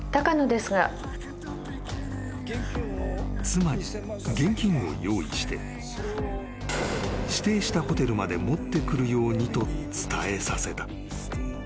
［妻に現金を用意して指定したホテルまで持ってくるようにと伝えさせた］